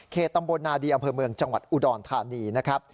เครตตำรวจนาดีอำเภอเมืองจังหวัดอุดรธานี